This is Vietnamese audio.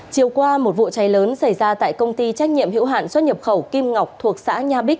chiều qua một vụ cháy lớn xảy ra tại công ty trách nhiệm hiệu hạn xuất nhập khẩu kim ngọc thuộc xã nha bích